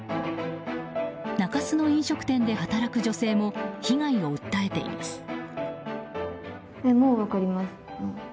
中洲の飲食店で働く女性も被害を訴えています。